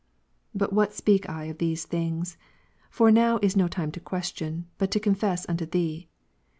But what speak I of these things ? for now is no time to question, but to confess unto Thee.